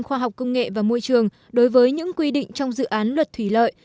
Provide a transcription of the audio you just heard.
khoa học công nghệ và môi trường đối với những quy định trong dự án luật thủy lợi